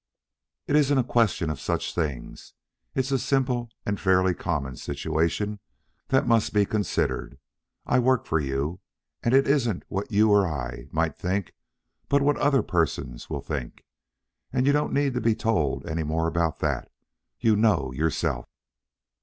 "It isn't a question of such things. It's a simple and fairly common situation that must be considered. I work for you. And it isn't what you or I might think, but what other persons will think. And you don't need to be told any more about that. You know yourself."